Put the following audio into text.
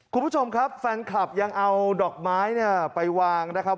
คุณผู้ชมครับแฟนคลับยังเอาดอกไม้เนี่ยไปวางนะครับ